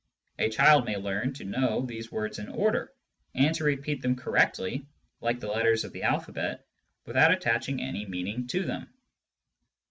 A child may learn to know these words in order, and to repeat them correctly like the letters of the alphabet, without attach ing any meaning to them.